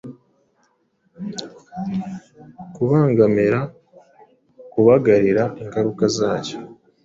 kubangamira, kubagarira, ingaruka zayo